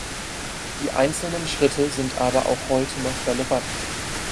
Die einzelnen Schritte sind aber auch heute noch relevant.